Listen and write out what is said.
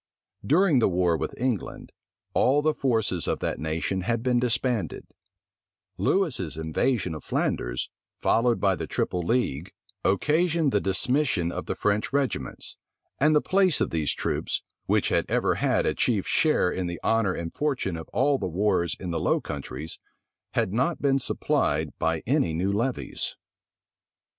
During the war with England, all the forces of that nation had been disbanded: Lewis's invasion of Flanders, followed by the triple league, occasioned the dismission of the French regiments: and the place of these troops, which had ever had a chief share in the honor and fortune of all the wars in the Low Countries, had not been supplied by any new levies.